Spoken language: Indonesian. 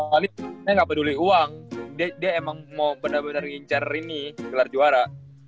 paling dia gak peduli uang dia emang mau bener bener ngincar ini kelar juara